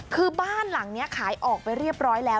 คือบ้านหลังนี้ขายออกไปเรียบร้อยแล้ว